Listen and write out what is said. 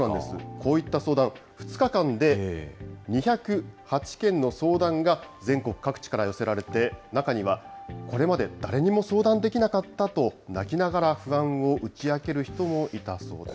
こういった相談、２日間で２０８件の相談が全国各地から寄せられて、中には、これまで誰にも相談できなかったと、泣きながら不安を打ち明ける人もいたそうです。